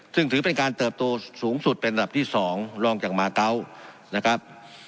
ซึ่งถือเป็นการเติบโตสูงสุดเป็นอันดับที่๒รองจากมาเกาะนะครับ